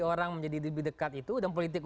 orang menjadi lebih dekat itu dan politik